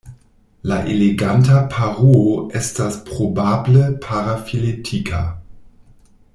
La Eleganta paruo estas probable parafiletika.